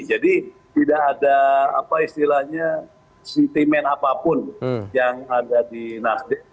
jadi tidak ada apa istilahnya sentimen apapun yang ada di nasdem